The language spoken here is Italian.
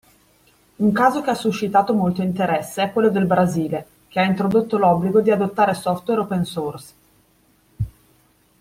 Un caso che ha suscitato molto interesse è quello del Brasile, che ha introdotto l'obbligo di adottare software open source.